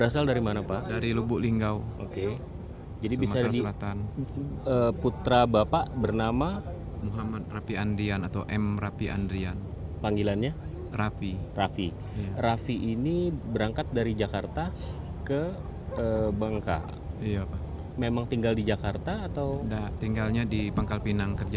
sebab sering dipakai